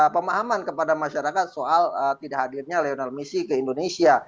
pemahaman kepada masyarakat soal tidak hadirnya lionel messi ke indonesia